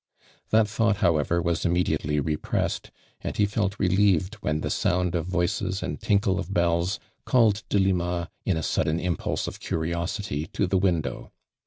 That thought how ever was immediately repressed, and he felt relieved when the sound of voices and tinkle of bells called Delima in a sudden impulse of curiosity to the window.